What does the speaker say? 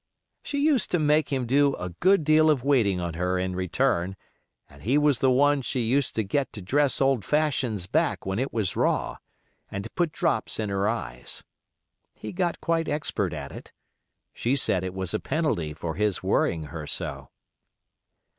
She used to make him do a good deal of waiting on her in return, and he was the one she used to get to dress old Fashion's back when it was raw, and to put drops in her eyes. He got quite expert at it. She said it was a penalty for his worrying her so.